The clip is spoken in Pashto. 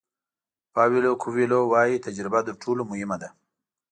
پاویلو کویلو وایي تجربه تر ټولو مهمه ده.